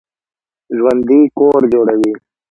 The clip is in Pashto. ژوندي کور جوړوي